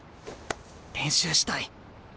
練習したい。